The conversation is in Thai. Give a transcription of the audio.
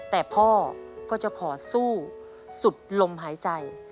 แต่พ่อก็จะขอสู้สุดลมหายใจ